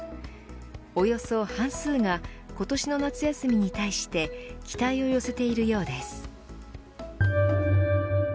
およそ半数が今年の夏休みに対して期待を寄せているようです。